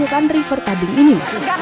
untuk melakukan river tabung ini